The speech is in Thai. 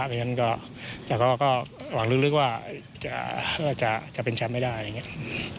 เพราะฉะนั้นก็แต่ก็ก็หวังลึกลึกว่าจะจะจะเป็นแชมป์ให้ได้อย่างเงี้ย